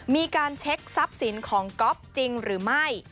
มีการเช็คทรัพย์สินของก๊อฟจริงหรือไม่